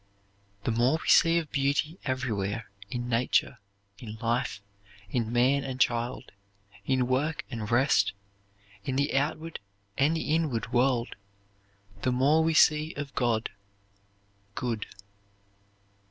"The more we see of beauty everywhere; in nature, in life, in man and child, in work and rest, in the outward and the inward world, the more we see of God (good)."